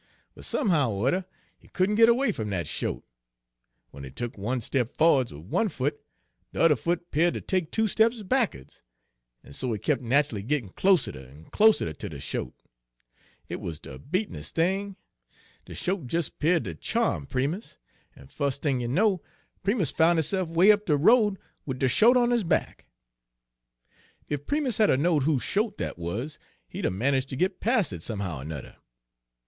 But somehow er 'rudder he couldn' git away fum dat shote; w'en he tuk one step for'ards wid one foot, de yuther foot 'peared ter take two steps back'ards, en so he kep' nachly gittin' closeter en closeter ter de shote. It was de beatin'es' thing! De shote des 'peared ter cha'm Primus, en fus' thing you know Primus foun' hisse'f 'way up de road wid de shote on his back. "Ef Primus had 'a' knowed whose shote dat wuz, he 'd 'a' manage' ter git pas' it somehow er 'nudder.